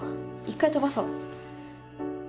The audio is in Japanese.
一回飛ばそう。